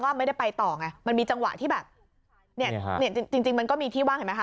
ไม่ได้ไปต่อไงมันมีจังหวะที่แบบเนี่ยจริงจริงมันก็มีที่ว่างเห็นไหมค